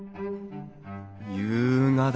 優雅だ。